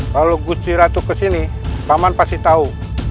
kalau gusti ratu ke sini paman pasti tahu